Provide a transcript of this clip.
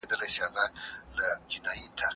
زه بوټونه پاک کړي دي!